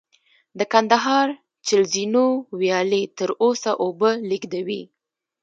د کندهار چل زینو ویالې تر اوسه اوبه لېږدوي